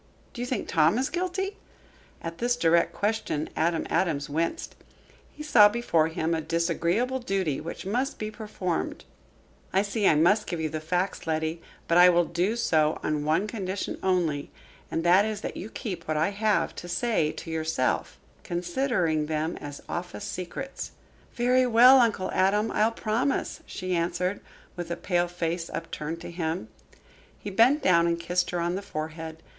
"Do you think Tom is guilty?" At this direct question Adam Adams winced. He saw before him a disagreeable duty which must be performed. "I see I must give you the facts, Letty. But I will do so on one condition only, and that is, that you keep what I have to say to yourself considering them as office secrets." "Very well, Uncle Adam, I'll promise," she answered, with a pale face upturned to him. He bent down and kissed her on the forehead.